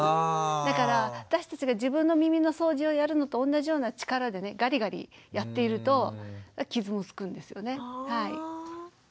だから私たちが自分の耳の掃除をやるのと同じような力でねガリガリやっていると傷もつくんですよね。